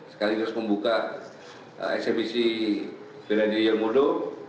sekaligus membuka smbc beladil yelmudo